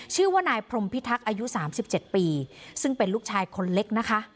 ชื่อว่านายพรมพิทักษ์อายุ๓๗ปีซึ่งเป็นลูกชายคนเล็กนะคะ